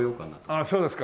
あっそうですか。